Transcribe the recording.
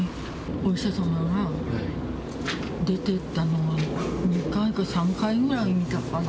お医者様が出ていったのを、２回か３回ぐらい見たかな。